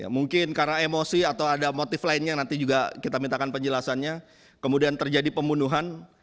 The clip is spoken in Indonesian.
mungkin karena emosi atau ada motif lainnya nanti juga kita mintakan penjelasannya kemudian terjadi pembunuhan